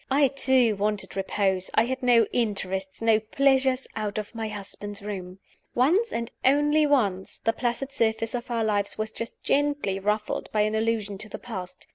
I, too, wanted repose I had no interests, no pleasures, out of my husband's room. Once, and once only, the placid surface of our lives was just gently ruffled by an allusion to the past.